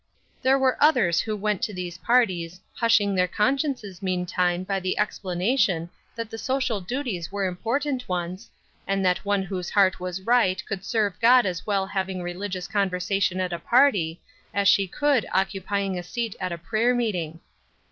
There were others who went to these parties, hushing their consciences meantime by the explanation that the social duties were important ones, and that one whose heart was right could serve God as well having religious conversation at a party, as she could occupying a seat at a prayer meeting.